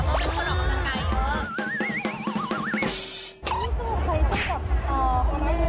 สู้ความเซ็กซี่